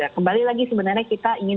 kembali lagi sebenarnya kita ingin